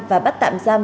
và bắt tạm giam